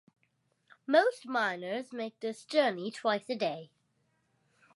Most miners make this journey twice a day.